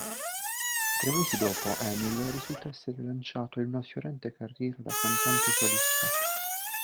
Tre mesi dopo Emil risulta essere lanciato in una fiorente carriera da cantante solista.